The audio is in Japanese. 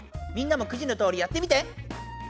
みんなもくじのとおりやってみて。